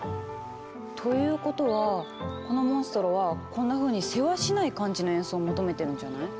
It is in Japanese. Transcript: ということはこのモンストロはこんなふうにせわしない感じの演奏を求めてるんじゃない？